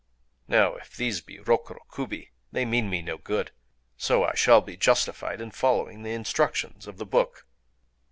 Now, if these be Rokuro Kubi, they mean me no good;—so I shall be justified in following the instructions of the book."...